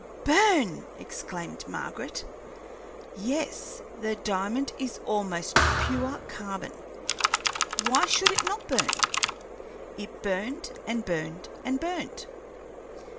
"Burn!" exclaimed Margaret. "Yes, the diamond is almost pure carbon; why should it not burn? It burned and burned and burned.